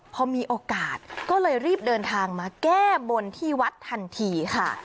พอมีโอกาสก็เลยรีบเดินทางมาแก้บนที่วัดทันทีค่ะ